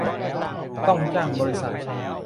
ต้องจ้างบริษัท